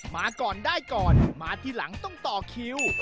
มาก่อนได้ก่อนมาทีหลังต้องต่อคิว